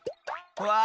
うわ！